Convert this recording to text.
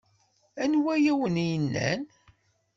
Anwa ay awen-yennan?